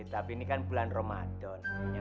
tapi ini kan bulan ramadan